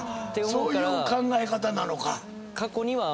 そういう考え方なのか。